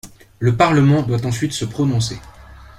Le parlement doit ensuite se prononcer.